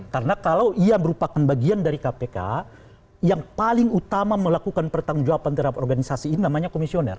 karena kalau ia merupakan bagian dari kpk yang paling utama melakukan pertanggung jawaban terhadap organisasi ini namanya komisioner